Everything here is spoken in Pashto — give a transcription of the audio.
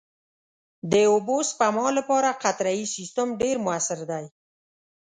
د اوبو سپما لپاره قطرهيي سیستم ډېر مؤثر دی.